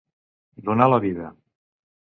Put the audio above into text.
Donar la vida.